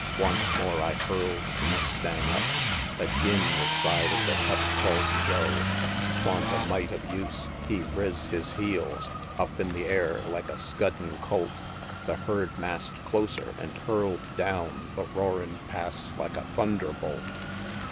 Once more I hurl'd the mustang up Agin the side of the cuss call'd Joe; Twan't a mite of use he riz his heels Up in the air, like a scuddin' colt; The herd mass'd closer, an' hurl'd down The roarin' Pass, like a thunderbolt.